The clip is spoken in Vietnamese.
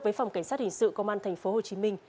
với phòng cảnh sát hình sự công an thành phố hồ chí minh